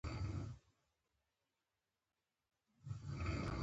دوی به د جلال اباد د کامې، شګۍ، اسداباد کیسې کولې.